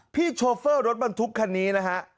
พี่โชเฟอร์รถมันทุกคันนี้นะฮะ